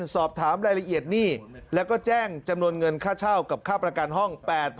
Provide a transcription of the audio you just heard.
สอบถามรายละเอียดหนี้แล้วก็แจ้งจำนวนเงินค่าเช่ากับค่าประกันห้อง๘๐๐๐